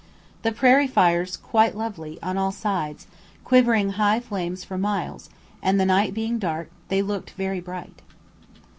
The prairie fires quite lovely, on all sides, quivering high flames for miles, and the night being dark, they looked very bright.